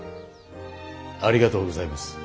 ありがとうございます。